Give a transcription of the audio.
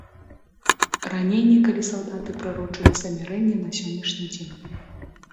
Раней некалі салдаты прарочылі замірэнне на сённяшні дзень.